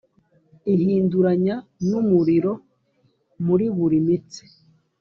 ihinduranya n'umuriro muri buri mitsi